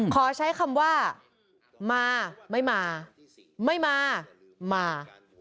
ขอใช้คำว่ามาไม่มาไม่มามา